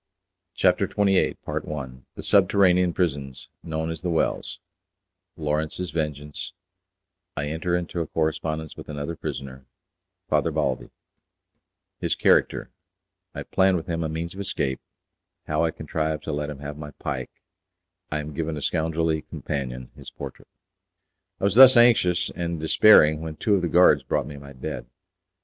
CHAPTER XXVIII The Subterranean Prisons Known as the Wells Lawrence's Vengeance I Enter into a Correspondence With Another Prisoner, Father Balbi: His Character I Plan With Him a Means of Escape How I Contrived to Let Him Have My Pike I Am Given a Scoundrelly Companion His Portrait. I was thus anxious and despairing when two of the guards brought me my bed.